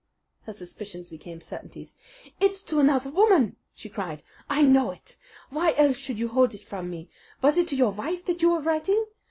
Her suspicions became certainties. "It's to another woman," she cried. "I know it! Why else should you hold it from me? Was it to your wife that you were writing?